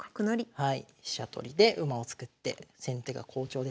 はい。